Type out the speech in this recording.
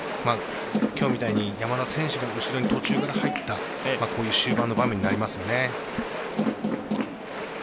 今日みたいな山田選手が途中から入ったこういう終盤の場面になりますよね。